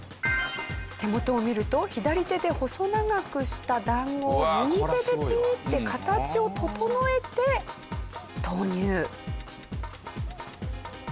手元を見ると左手で細長くした団子を右手でちぎって形を整えて投入。